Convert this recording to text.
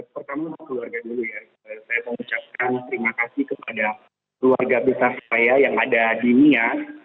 pertama di keluarga dulu ya saya mengucapkan terima kasih kepada keluarga besar saya yang ada di mia